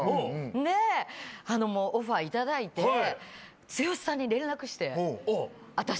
でオファー頂いて剛さんに連絡して。